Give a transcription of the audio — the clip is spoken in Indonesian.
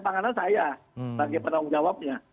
pangandaran saya bagi penanggung jawabnya